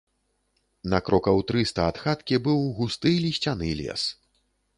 На крокаў трыста ад хаткі быў густы лісцяны лес.